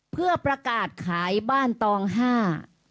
เพื่อประกาศขายบ้านตองห้า